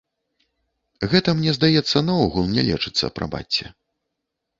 Гэта, мне здаецца, наогул не лечыцца, прабачце.